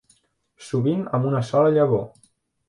Sovint amb una sola llavor.